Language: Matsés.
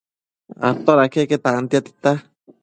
Atoda queque tantia tita